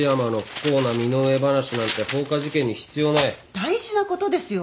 大事なことですよ。